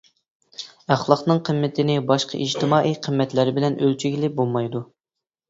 ئەخلاقنىڭ قىممىتىنى باشقا ئىجتىمائىي قىممەتلەر بىلەن ئۆلچىگىنى بولمايدۇ.